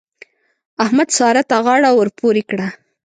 احمد؛ سارا ته غاړه ور پورې کړه.